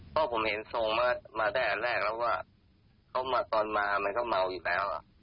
เพราะผมเห็นส่งมาได้อันแรกแล้วว่าเขามาตอนมามันก็เมาอีกแล้ว